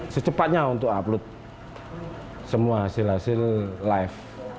secepatnya untuk upload semua hasil hasil live